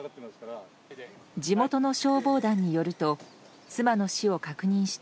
地元の消防団によると妻の死を確認した